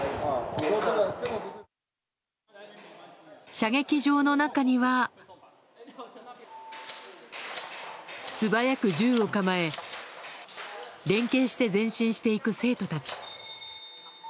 射撃場の中には素早く銃を構え連携して前進していく生徒たち。